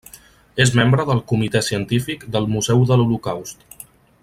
És membre del Comitè Científic del Museu de l'Holocaust.